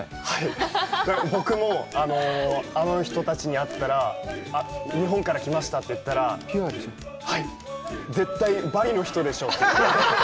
僕もあの人たちに会ったら日本から来ましたって言ったら、絶対、バリの人でしょ？って。